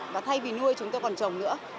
và thay vì nuôi chúng tôi còn trồng nữa